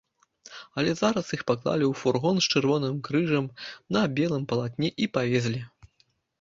Але зараз іх паклалі ў фургон з чырвоным крыжам на белым палатне і павезлі.